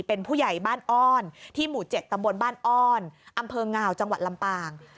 เป็นผู้ใหญ่บ้านอ้อนที่หมู่๗ตำบลบ้านอ้อนอำเภองาวจังหวัดลำปาง